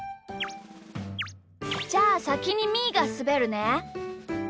じゃあさきにみーがすべるね。